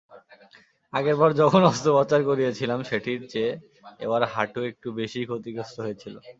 আগেরবার যখন অস্ত্রোপচার করিয়েছিলাম, সেটির চেয়ে এবার হাঁটু একটু বেশিই ক্ষতিগ্রস্ত হয়েছিল।